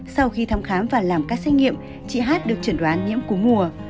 sau khi thăm khám và làm các xét nghiệm chị hát được chuẩn đoán nhiễm cú mùa